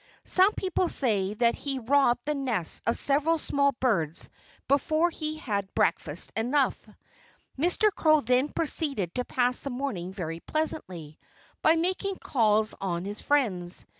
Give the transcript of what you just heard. Some people say that he robbed the nests of several small birds before he had breakfast enough. Mr. Crow then proceeded to pass the morning very pleasantly, by making calls on his friends.